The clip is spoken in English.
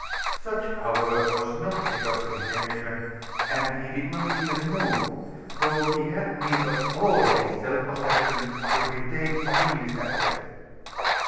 Such, however, was not Lecoq's intention, and he did not even move, though he had need of all his self possession to retain his English accent.